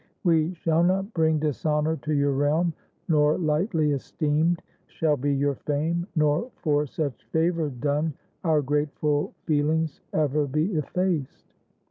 We shall not bring Dishonor to your realm ; nor lightly esteemed Shall be your fame, nor for such favor done Our grateful feelings ever be effaced.